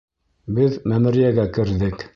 Беҙ мәмерйәгә керҙек.